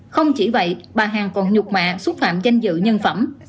không chỉ vậy bà hằng còn nhục mạ xúc phạm danh dự nhân phẩm